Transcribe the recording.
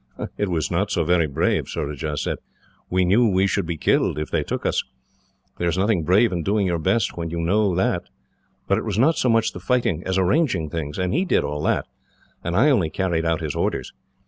"It was not so very brave," Surajah said. "We knew we should be killed, if they took us. There is nothing brave in doing your best, when you know that. But it was not so much the fighting as arranging things, and he did all that, and I only carried out his orders.